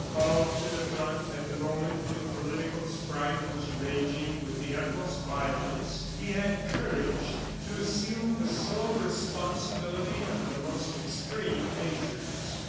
Called to the front at the moment when political strife was raging with the utmost violence, he had courage to assume the sole responsibility of the most extreme measures.